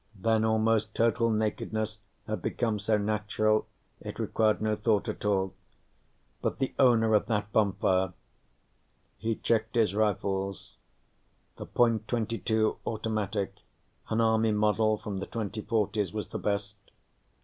Then almost total nakedness had become so natural, it required no thought at all. But the owner of that bonfire He checked his rifles. The .22 automatic, an Army model from the 2040s, was the best.